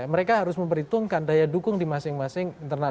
mereka harus memperhitungkan daya dukung di masing masing internal